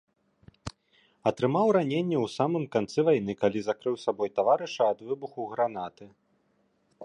Атрымаў раненні ў самым канцы вайны, калі закрыў сабой таварыша ад выбуху гранаты.